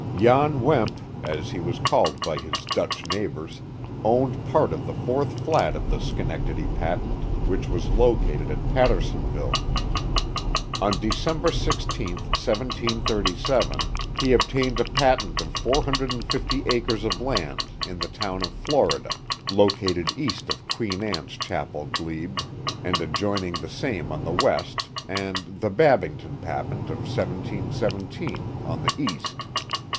Jan Wemp, as he was called by his Dutch neighbors, owned part of the fourth flat of the Schenectady patent, which was located at Pattersonville. On December 16, 1737, he 3O0 The Mohawk Valley obtained a patent o( 450 acres of land in the town of Florida, located east of Queen Anne's Chapel glebe, and adjoining the same on the west, and the Babbington patent of 1717, on the east.